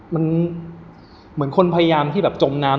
มันเหมือนคนพยายามที่แบบจมน้ำ